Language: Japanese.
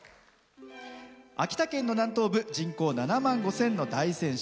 秋田県の南東部人口７万５０００の大仙市。